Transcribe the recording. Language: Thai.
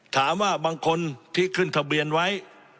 บางคนที่ขึ้นทะเบียนไว้